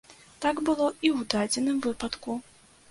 Так было і ў дадзеным выпадку.